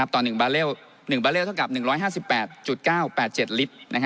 ตอน๑บาเลลล์ต้องการ๑๕๘๙๘๗ลิตร